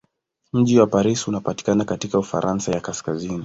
Mji wa Paris unapatikana katika Ufaransa ya kaskazini.